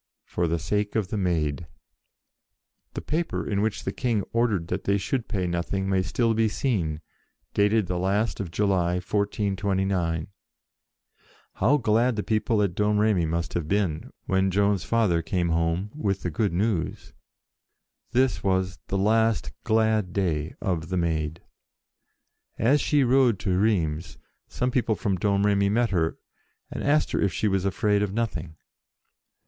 For the Sake of the Maid. 70 JOAN OF ARC The paper in which the King ordered that they should pay nothing may still be seen, dated the last of July 1429. How glad the people at Domremy must have been when Joan's father came home with the good news! This was the last glad day of the Maid. As she rode to Rheims, some people from Domremy met her and asked her if she was afraid of nothing.